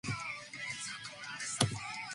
Tickets cannot be purchased online.